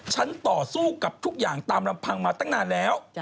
ต่อสู้กับทุกอย่างตามลำพังมาตั้งนานแล้ว